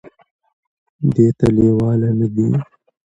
دې ته لېواله نه دي ،